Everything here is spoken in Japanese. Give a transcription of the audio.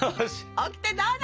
オキテどうぞ！